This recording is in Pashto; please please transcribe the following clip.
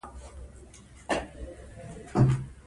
باران د افغانانو د تفریح یوه وسیله ده.